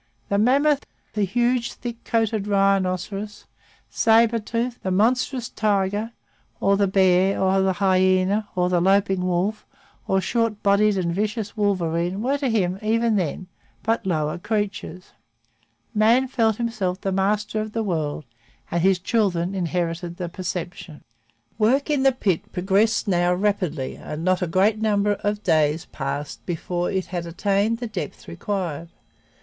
The mammoth, the huge, thick coated rhinoceros, sabre tooth, the monstrous tiger, or the bear, or the hyena, or the loping wolf, or short bodied and vicious wolverine were to him, even then, but lower creatures. Man felt himself the master of the world, and his children inherited the perception. Work in the pit progressed now rapidly and not a great number of days passed before it had attained the depth required.